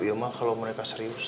iya mah kalo mereka serius